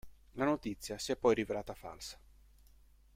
La notizia si è poi rivelata falsa.